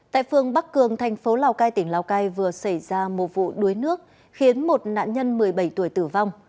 tại phương bắc cường thành phố lào cai tỉnh lào cai vừa xảy ra một vụ đuối nước khiến một nạn nhân một mươi bảy tuổi tử vong